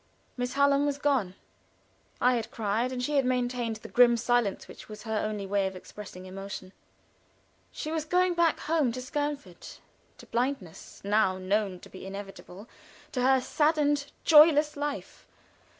Miss Hallam was gone. I had cried, and she had maintained the grim silence which was her only way of expressing emotion. She was going back home to Skernford, to blindness, now known to be inevitable, to her saddened, joyless life.